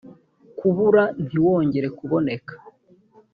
kubura ntiwongere kuboneka